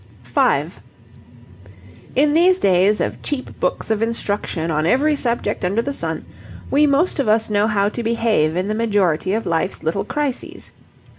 5 In these days of cheap books of instruction on every subject under the sun, we most of us know how to behave in the majority of life's little crises.